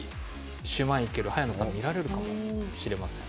シュマイケル早野さん見られるかもしれません。